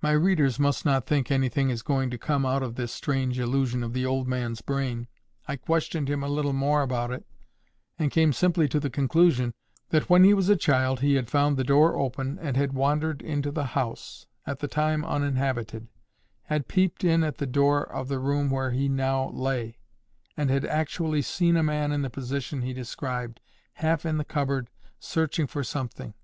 My readers must not think anything is going to come out of this strange illusion of the old man's brain. I questioned him a little more about it, and came simply to the conclusion, that when he was a child he had found the door open and had wandered into the house, at the time uninhabited, had peeped in at the door of the same room where he now lay, and had actually seen a man in the position he described, half in the cupboard, searching for something.